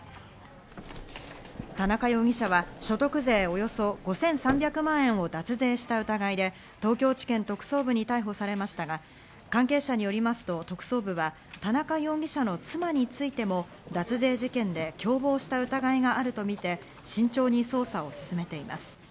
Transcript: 田中容疑者は所得税およそ５３００万円を脱税した疑いで東京地検特捜部に逮捕されましたが、関係者によりますと特捜部は田中容疑者の妻についても、脱税事件で共謀した疑いがあるとみて慎重に捜査を進めています。